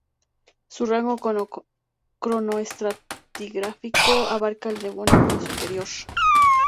Su rango cronoestratigráfico abarca el Devónico superior.